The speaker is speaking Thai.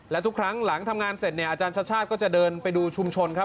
และทุกครั้งหลังทำงานเสร็จเนี่ยอาจารย์ชาติชาติก็จะเดินไปดูชุมชนครับ